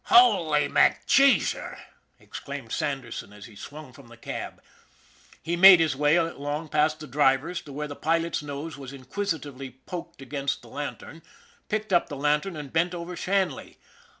" Holy MacCheesar !" exclaimed Sanderson, as he swung from the cab. He made his way along past the drivers to where the pilot's nose was inquisitively poked against the lantern, picked up the lantern, and bent over Shanley.